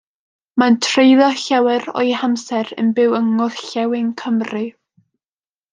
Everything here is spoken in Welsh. Mae'n treulio llawer o'i hamser yn byw yng Ngorllewin Cymru.